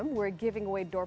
untuk mengembangkan forum